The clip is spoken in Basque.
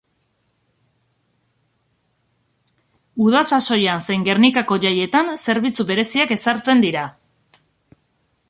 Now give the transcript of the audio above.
Uda sasoian zein Gernikako jaietan zerbitzu bereziak ezartzen dira.